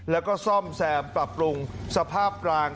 แล้วก็ซ่อมแซมปรับปรุงสภาพปราง